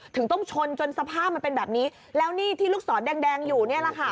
ถึงต้องชนจนสภาพมันเป็นแบบนี้แล้วนี่ที่ลูกศรแดงแดงอยู่นี่แหละค่ะ